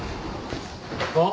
あっ。